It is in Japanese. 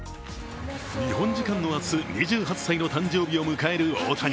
日本時間の明日、２８歳の誕生日を迎える大谷。